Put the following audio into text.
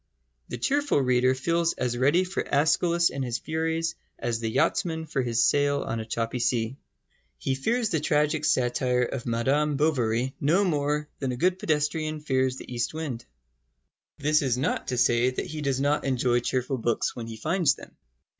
The cheerful reader feels as ready for Æschylus and his furies as the yachtsman for his sail on a choppy sea. He fears the tragic satire of Madame Bovary no more than a good pedestrian fears the east wind. This is not to say that he does not enjoy cheerful books when he finds them.